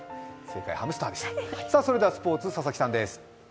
それではスポーツ、佐々木さんです。